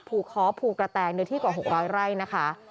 ภูเคาะภูกระแตงเนื้อที่กว่าหกบาทไร่นะคะ